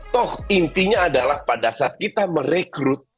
toh intinya adalah pada saat kita merekrut